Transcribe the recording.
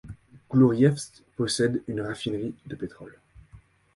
Gourievsk possède une raffinerie de pétrole.